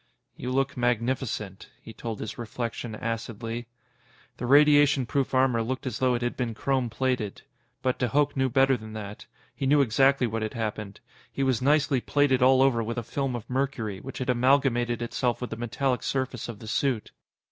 "You look magnificent," he told his reflection acidly. The radiation proof armor looked as though it had been chrome plated. But de Hooch knew better than that. He knew exactly what had happened. He was nicely plated all over with a film of mercury, which had amalgamated itself with the metallic surface of the suit.